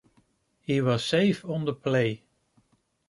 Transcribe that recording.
He was safe on the play.